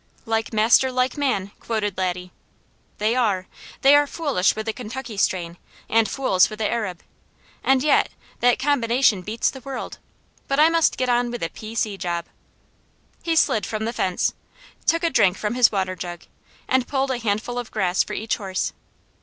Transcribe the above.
"'Like master, like man,'" quoted Laddie. "They are! They are foolish with the Kentucky strain, and fools with the Arab; and yet, that combination beats the world. But I must get on with the P.C. job." He slid from the fence, took a drink from his water jug, and pulled a handful of grass for each horse.